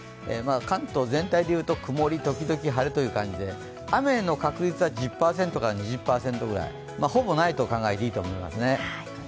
関東全体でいうと曇り時々晴れという感じで雨の確率は１０％から２０％ぐらい、ほぼないと考えていいと思いますね。